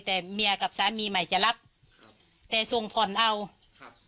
แต่เมียกับสามีใหม่จะรับครับแต่ส่งผ่อนเอาครับ